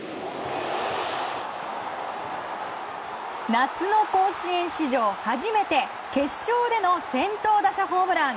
夏の甲子園史上初めて決勝での先頭打者ホームラン。